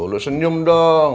lu senyum dong